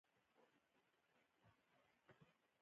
کلي د افغان کلتور په داستانونو کې دي.